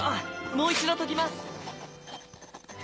もう一度解きます！